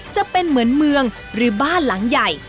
จะเป็นเหมือนเมืองหรือบ้านหลังใหญ่